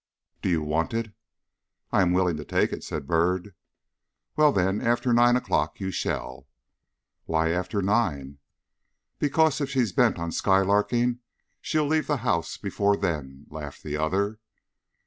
"Do you want it?" "I am willing to take it," said Byrd. "Well, then, after nine o'clock you shall." "Why after nine?" "Because if she's bent on skylarking, she'll leave the house before then," laughed the other.